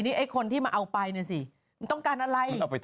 นี่ไอ้คนที่มาเอาไปเนี่ยสิมันต้องการอะไร